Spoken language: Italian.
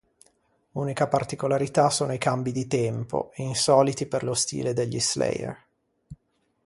Unica particolarità sono i cambi di tempo, insoliti per lo stile degli Slayer.